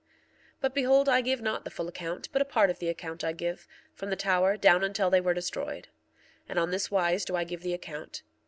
1:5 But behold, I give not the full account, but a part of the account I give, from the tower down until they were destroyed. 1:6 And on this wise do I give the account.